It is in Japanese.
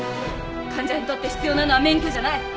患者にとって必要なのは免許じゃない。